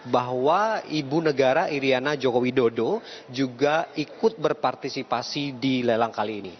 bahwa ibu negara iryana joko widodo juga ikut berpartisipasi di lelang kali ini